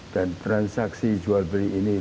dan transaksi jual beli ini